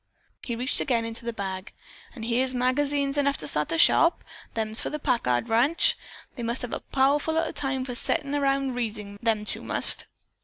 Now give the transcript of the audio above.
He reached again into the bag. "An' here's magazines enough to start a shop. Them's for the Packard ranch. They must have a powerful lot o' time for settin' around readin', them two must."